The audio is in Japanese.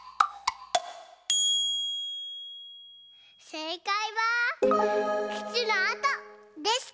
せいかいは「くつのあと」でした！